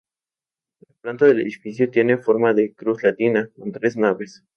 La planta del edificio tiene forma en cruz latina, con tres naves.